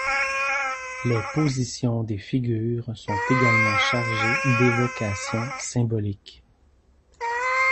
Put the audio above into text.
Les positions des figures sont également chargées d'évocations symboliques.